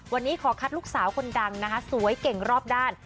วันนี้ขอคัดลูกสาวคนดังนะคะสวยเก่งรอบด้าน